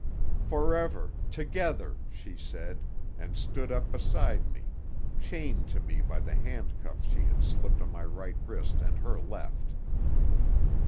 "'Forever! Together!' she said, and stood up beside me, chained to me by the handcuffs she had slipped on my right wrist and her left.